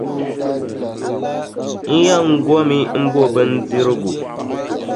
N yɛn gomi m-bo bindirigu.